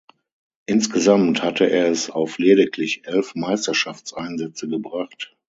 Insgesamt hatte er es auf lediglich elf Meisterschaftseinsätze gebracht.